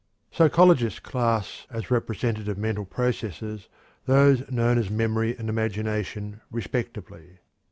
Psychologists class as "representative mental processes" those known as memory and imagination, respectively.